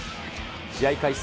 試合開始